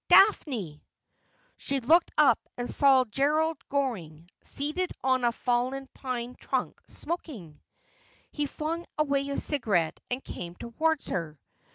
' Daphne !' She looked up and saw Gerald Goring, seated on a fallen pine trunk, smoking. He flung away his cigarette and came towards her.